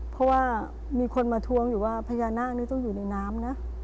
เพราะว่ามีคนมาทวงอยู่ว่าพญานาคนี่ต้องอยู่ในน้ำนะ